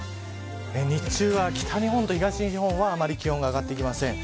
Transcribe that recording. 日中は北日本と東日本はあまり気温が上がってきません。